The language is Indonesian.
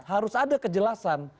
harus ada kejelasan